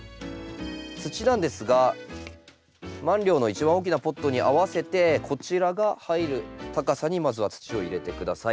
土なんですがマンリョウの一番大きなポットに合わせてこちらが入る高さにまずは土を入れて下さい。